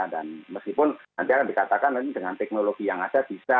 dan meskipun nanti akan dikatakan dengan teknologi yang ada bisa